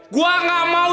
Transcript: gue gak mau